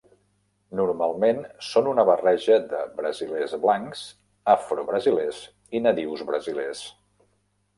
Normalment són una barreja de brasilers blancs, afrobrasilers i nadius brasilers.